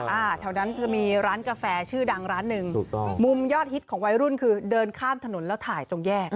อ่าแถวนั้นจะมีร้านกาแฟชื่อดังร้านหนึ่งถูกต้องมุมยอดฮิตของวัยรุ่นคือเดินข้ามถนนแล้วถ่ายตรงแยก